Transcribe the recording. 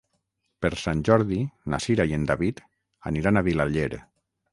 Per Sant Jordi na Cira i en David aniran a Vilaller.